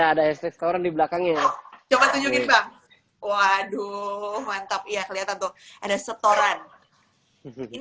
ada es krite koran di belakangnya coba tunjukin bang waduh mantap ya kelihatan tuh ada setoran ini